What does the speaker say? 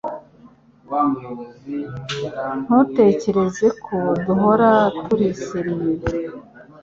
Ntutekereze ko duhora turi serieux